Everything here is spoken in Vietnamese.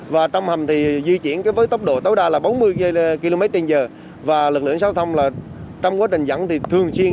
và trong hầm thì di chuyển với tốc độ tối đa là bốn mươi km trên giờ và lực lượng giao thông là trong quá trình dẫn thì thường xuyên